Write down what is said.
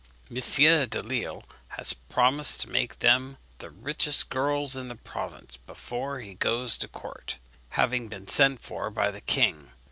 M. Delisle has promised to make them the richest girls in the province before he goes to court, having been sent for by the king.